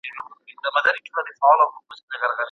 که ماشوم ته ارزښت ورکړو، نو هغه به مثبت تاثیر وکړي.